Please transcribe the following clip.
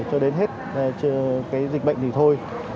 cho đến hết dịch bệnh thì thôi